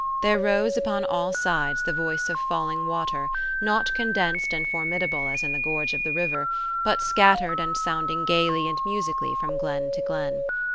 There rose upon all sides the voice of falling water, not condensed and formidable as in the gorge of the river, but scattered and sounding gaily and musically from glen to glen.